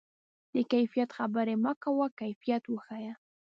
د کیفیت خبرې مه کوه، کیفیت وښیه.